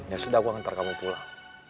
ya sudah aku akan hantar kamu pulang